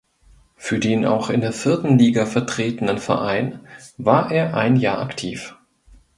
Für den auch in der vierten Liga vertretenen Verein war er ein Jahr aktiv.